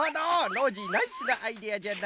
ノージーナイスなアイデアじゃな！